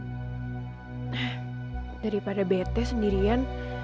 eh daripada bete sendirian